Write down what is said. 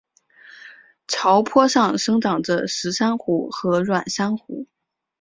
礁坡上生长着石珊瑚和软珊瑚。